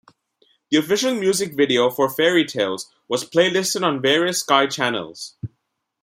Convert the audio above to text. The official music video for 'Fairytales' was play listed on various Sky Channels.